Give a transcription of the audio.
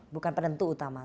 bukan penentu utama